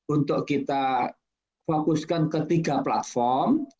untuk kita fokuskan ke tiga platform